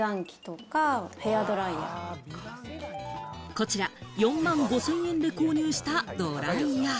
こちら４万５０００円で購入したドライヤー。